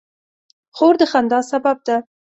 خور د خندا سبب ده.